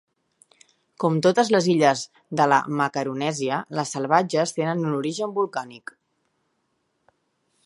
Com totes les illes de la Macaronèsia, les Salvatges tenen un origen volcànic.